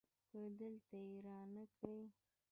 که دلته يي رانه کړ